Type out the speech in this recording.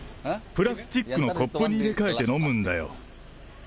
プラスチックのコップに入れ替えて飲むんだよ。